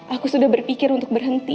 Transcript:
aku sudah berpikir untuk berhenti